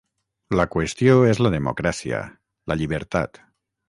La qüestió és la democràcia, la llibertat.